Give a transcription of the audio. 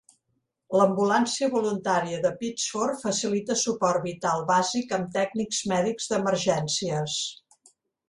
L'ambulància voluntària de Pittsford facilita suport vital bàsic amb tècnics mèdics d'emergències.